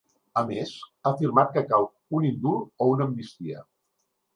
A més, ha afirmat que cal un indult o una amnistia.